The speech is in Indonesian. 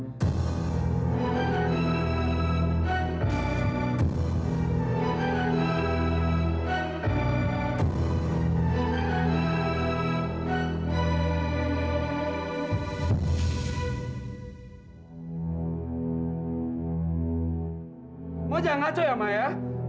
mau jangkaco ya maya